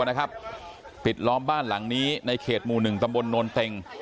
นะครับปิดล้อมบ้านหลังนี้ในเขตหมู่๑ตำบลโนนเต็ง